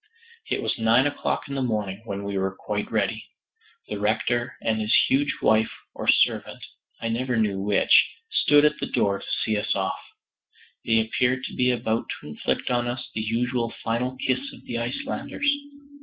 It was nine o'clock in the morning when we were quite ready. The rector and his huge wife or servant, I never knew which, stood at the door to see us off. They appeared to be about to inflict on us the usual final kiss of the Icelanders.